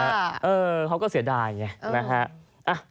เออเขาก็เสียดายอย่างเงี้ยนะครับ